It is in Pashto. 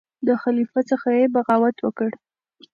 د خلیفه څخه یې بغاوت وکړ.